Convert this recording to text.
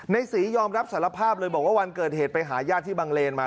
ศรียอมรับสารภาพเลยบอกว่าวันเกิดเหตุไปหาญาติที่บังเลนมา